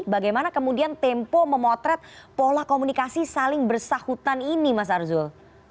bagaimana kemudian tempo memotret pola komunikasi saling bersahutan ini mas arzul